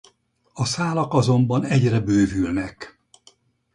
A szálak azonban egyre bővülnek.